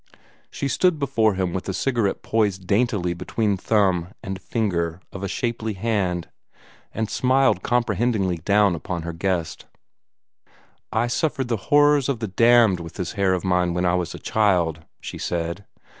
She stood before him with the cigarette poised daintily between thumb and finger of a shapely hand, and smiled comprehendingly down on her guest. "I suffered the horrors of the damned with this hair of mine when I was a child," she said.